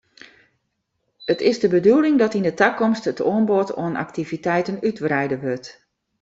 It is de bedoeling dat yn 'e takomst it oanbod oan aktiviteiten útwreide wurdt.